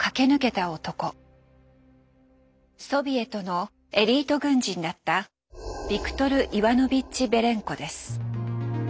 ソビエトのエリート軍人だったビクトル・イワノビッチ・ベレンコです。